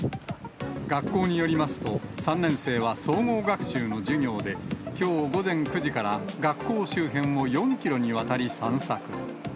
学校によりますと、３年生は総合学習の授業で、きょう午前９時から学校周辺を４キロにわたり散策。